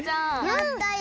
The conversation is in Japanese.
やったよ。